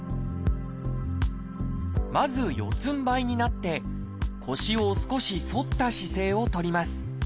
まず四つんばいになって腰を少し反った姿勢を取ります。